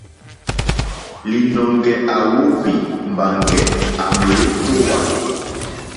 Lìnɔ̀ŋɡɛ̀ à óhwì mbàŋɡɛ̀ à mèótówà.